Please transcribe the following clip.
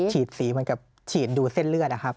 สีเหมือนกับฉีดดูเส้นเลือดนะครับ